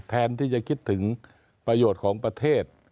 แทนที่จะคิดถึงประโยชน์ของประเทศ